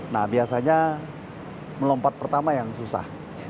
nah biasanya melompat pertama yang susah